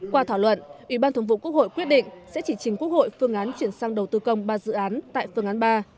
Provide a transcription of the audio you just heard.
qua thảo luận ủy ban thống vụ quốc hội quyết định sẽ chỉ trình quốc hội phương án chuyển sang đầu tư công ba dự án tại phương án ba